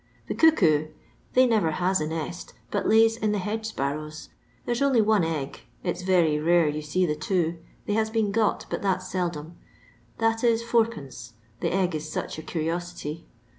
The cuckoo — they Aever has a nest, but htys in the hedge^parrow's ; theie 'i only one egg (it 's very mre yon see the two, they has been got, but that's seldom) that is4<l., the egg is such a cur'osity.